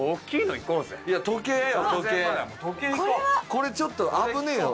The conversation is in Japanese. これちょっと危ねえよ。